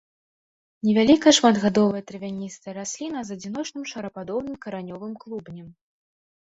Невялікая шматгадовая травяністая расліна з адзіночным шарападобным каранёвым клубнем.